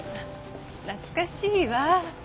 懐かしいわ